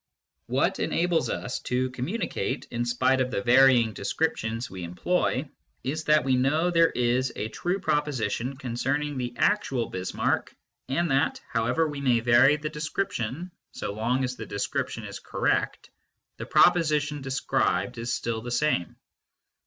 WhaL_ejiables us to communicate in spite of the varying descriptions we employ is that we know there is a true proposition concerning the actual Bismarck, and that, however we may vary the description (so_long as the description is correct), the proposition described is still the same.